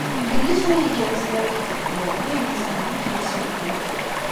Yella kra igerrzen ara k-d-ḥkuɣ, d ayen izemren ad k-yessewhem.